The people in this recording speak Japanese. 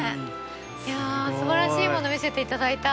いやすばらしいもの見せていただいた。